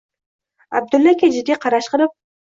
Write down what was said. Abdulla aka jiddiy qarash qilib: